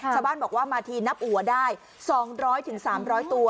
ชาวบ้านบอกว่ามาทีนับอัวได้๒๐๐๓๐๐ตัว